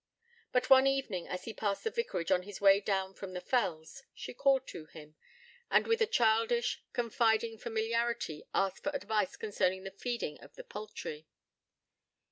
But one evening, as he passed the vicarage on his way down from the fells, she called to him, and with a childish, confiding familiarity asked for advice concerning the feeding of the poultry.